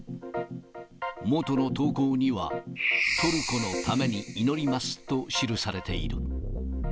元の投稿には、トルコのために祈りますと記されている。